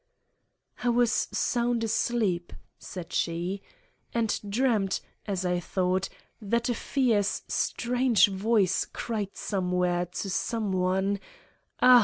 "I was sound asleep," said she, "and dreamt, as I thought, that a fierce, strange voice cried somewhere to some one: 'Ah!